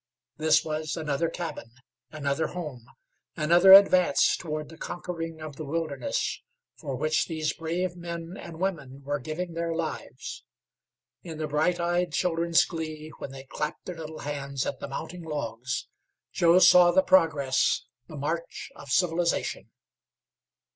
This was another cabin; another home; another advance toward the conquering of the wilderness, for which these brave men and women were giving their lives. In the bright eyed children's glee, when they clapped their little hands at the mounting logs, Joe saw the progress, the march of civilization.